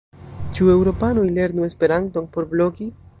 Ĉu eŭropanoj lernu Esperanton por blogi?